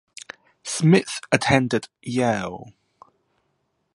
Smith attended Yale.